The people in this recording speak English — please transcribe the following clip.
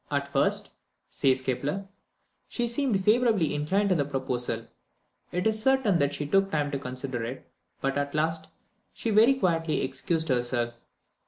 At first," says Kepler, "she seemed favourably inclined to the proposal; it is certain that she took time to consider it, but at last she very quietly excused herself."